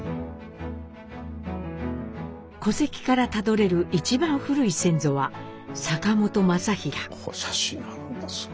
戸籍からたどれる一番古い先祖は坂本政均。